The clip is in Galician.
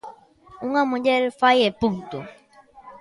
Unha muller fai e punto.